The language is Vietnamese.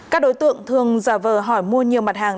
các đối tượng thường giả vờ hỏi mua nhiều mặt hàng